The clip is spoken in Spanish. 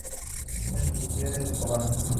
Él sugiere "Escobar".